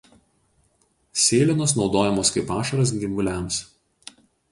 Sėlenos naudojamos kaip pašaras gyvuliams.